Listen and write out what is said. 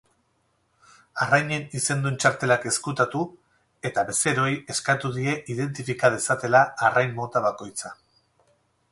Arrainen izendun txartelak ezkutatu eta bezeroei eskatu die identifika dezatela arrain mota bakoitza.